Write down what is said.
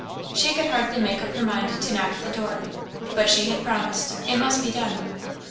She could hardly make up her mind to knock at the door. But she had promised; it must be done.